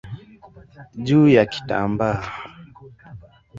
juu ya kitambaa.